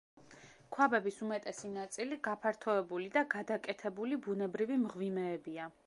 ქვაბების უმეტესი ნაწილი გაფართოებული და გადაკეთებული ბუნებრივი მღვიმეებია.